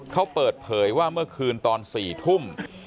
เขาเปิดเผยว่าเมื่อคืนตอน๔ทุ่ม